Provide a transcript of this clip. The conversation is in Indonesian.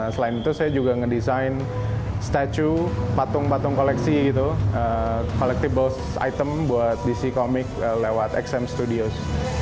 selain itu saya juga ngedesain statu patung patung koleksi kolektif item buat dc comics lewat xm studios